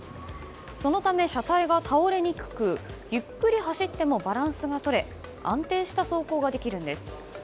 そのため、車体は倒れにくくゆっくり走ってもバランスがとれ安定した走行ができるんです。